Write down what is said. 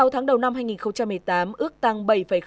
sáu tháng đầu năm hai nghìn một mươi tám ước tăng bảy tám